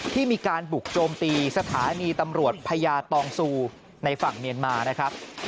ที่มีการบุกโจมตีสถานีตำรวจพญาตองซูในฝั่งเมียนมานะครับ